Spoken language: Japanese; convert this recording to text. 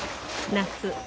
夏。